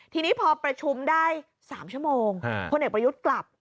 ทีนี้พอประชุมได้๓ชั่วโมงพลเอกประยุทธ์กลับ